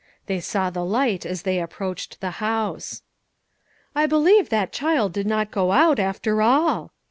They saw the light as they approached the house. "I believe that child did not go out, after all!"